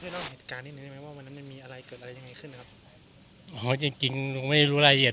นี่ว่ามีอะไรเกิดอะไรยังไงขึ้นนะครับอ๋อจริงจริงไม่ได้รู้ละเอียด